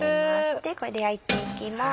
これで焼いていきます